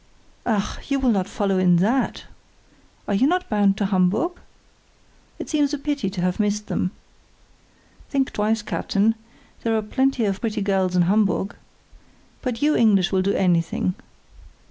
"Ach! you will not follow in that? Are not you bound to Hamburg?" "We can change our plans. It seems a pity to have missed them." "Think twice, captain, there are plenty of pretty girls in Hamburg. But you English will do anything.